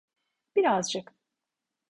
Birazcık.